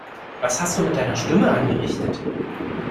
Was hast du mit deiner Stimme angerichtet?